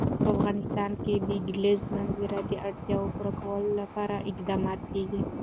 په افغانستان کې د د کلیزو منظره د اړتیاوو پوره کولو لپاره اقدامات کېږي.